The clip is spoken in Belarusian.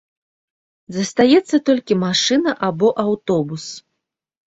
Застаецца толькі машына або аўтобус.